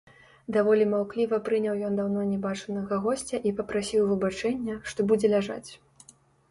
Даволі маўкліва прыняў ён даўно нябачанага госця і папрасіў выбачэння, што будзе ляжаць.